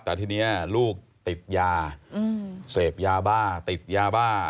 แต่ทีนี้ลูกติดยาเสพยาบ้าติดยาบ้า